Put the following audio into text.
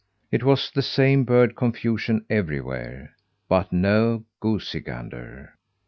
It was the same bird confusion everywhere, but no goosey gander.